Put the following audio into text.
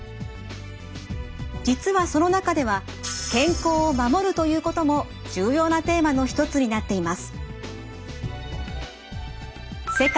実はその中では「健康を守る」ということも重要なテーマの一つになっています。